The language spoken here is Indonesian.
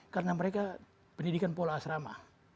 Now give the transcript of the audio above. karena mereka pendidikan pola asrama